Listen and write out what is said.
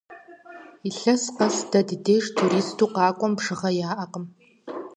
Илъэс къэс дэ ди деж туристу къакӀуэм бжыгъэ яӀэкъым.